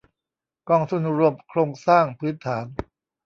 กองทุนรวมโครงสร้างพื้นฐาน